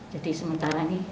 jadi sementara ini